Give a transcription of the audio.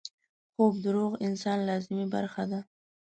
خوب د روغ انسان لازمي برخه ده